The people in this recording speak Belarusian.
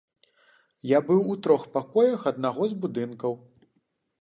Я быў у трох пакоях аднаго з будынкаў.